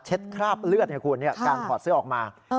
เช็ดคราบเลือดเนี่ยคุณเนี่ยการถอดเสื้อออกมา